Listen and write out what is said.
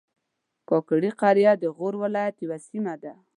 کاکړي قریه د غور ولایت یوه سیمه ده